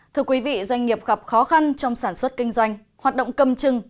thưa quý vị doanh nghiệp gặp khó khăn trong sản xuất kinh doanh hoạt động cầm chừng